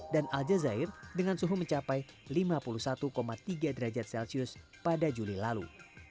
dan aljazeera dengan suhu mencapai lima puluh satu tiga derajat celsius pada juli lalu